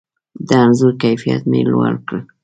د انځور کیفیت مې لوړ کړ.